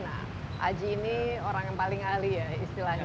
nah aji ini orang yang paling ahli ya istilahnya